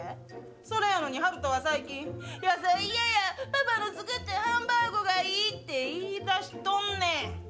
それやのに、ハルトは最近、野菜嫌や、パパの作ったハンバーグがいいって言いだしとんねん。